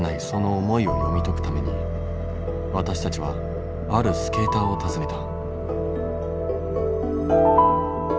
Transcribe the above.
その思いを読み解くために私たちはあるスケーターを訪ねた。